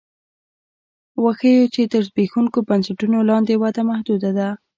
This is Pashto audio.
وښیو چې تر زبېښونکو بنسټونو لاندې وده محدوده ده